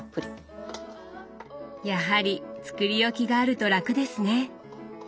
やはり作り置きがあると楽ですね。